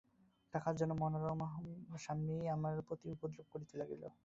টাকার জন্য মনোরমার সামনেই আমার প্রতি উপদ্রব করিতে লাগিল।